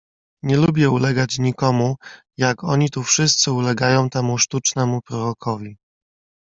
"Nie lubię ulegać nikomu, jak oni tu wszyscy ulegają temu sztucznemu Prorokowi."